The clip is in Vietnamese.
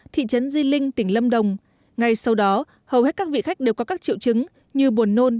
thị trấn di linh tỉnh lâm đồng ngay sau đó hầu hết các vị khách đều có các triệu chứng như buồn nôn